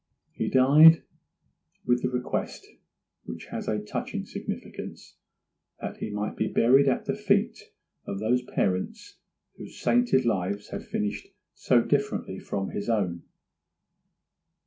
He died with the request, which has a touching significance, that he might be buried at the feet of those parents whose sainted lives had finished so differently from his own.